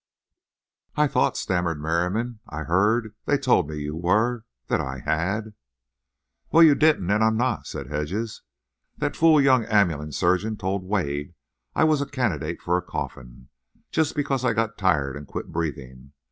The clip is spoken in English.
"I thought," stammered Merriam—"I heard—they told me you were—that I had—" "Well, you didn't, and I'm not," said Hedges. "That fool young ambulance surgeon told Wade I was a candidate for a coffin just because I'd got tired and quit breathing.